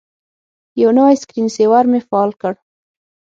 یو نوی سکرین سیور مې فعال کړ.